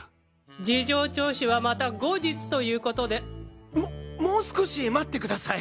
事情聴取はまた後日ということで。ももう少し待ってください！